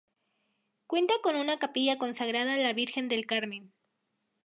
Cuenta con una capilla consagrada a la Virgen del Carmen.